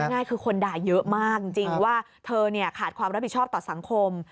ง่ายคือคนด่าเยอะมากจริงว่าเธอขาดความรับผิดชอบต่อสังคม